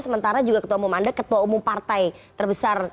sementara juga ketua umum anda ketua umum partai terbesar